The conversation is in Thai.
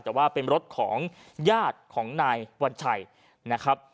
แต่ว่าเป็นรถของญาติของนายวัญชัยนะครับ